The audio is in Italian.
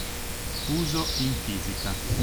Uso in fisica